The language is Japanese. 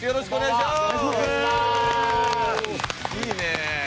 いいねえ。